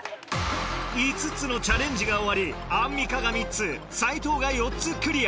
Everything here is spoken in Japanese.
５つのチャレンジが終わりアンミカが３つ斎藤が４つクリア